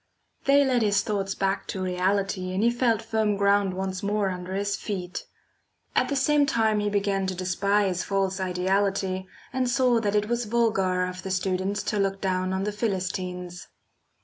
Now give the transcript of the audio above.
They led his thoughts back to reality and he felt firm ground once more under his feet. At the same time he began to despise false ideality, and saw that it was vulgar of the students to look down on the "Philistines."